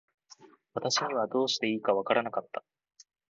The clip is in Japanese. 私にはどうしていいか分らなかった。